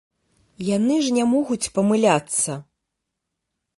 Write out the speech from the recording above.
Яны ж не могуць памыляцца!